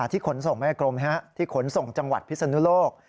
ขนส่งแม่กรมที่ขนส่งจังหวัดพิศนุโลก